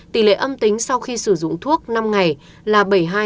tỷ lệ âm tính sau khi sử dụng thuốc năm ngày là bảy mươi hai chín mươi ba